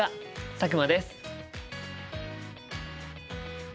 佐久間です。